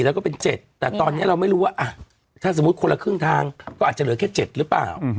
แล้วก็เป็น๗แต่ตอนนี้เราไม่รู้ว่าถ้าสมมุติคนละครึ่งทางก็อาจจะเหลือแค่๗หรือเปล่า